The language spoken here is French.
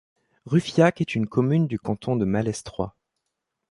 Ruffiac est une commune du canton de Malestroit.